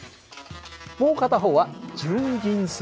もう片方は純銀製。